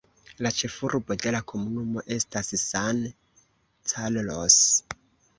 La ĉefurbo de la komunumo estas San Carlos.